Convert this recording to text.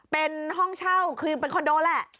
เป็นห้องเช่าคือเป็นคอนโดแหละ